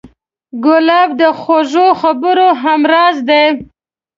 ګلاب د خوږو خبرو همراز دی.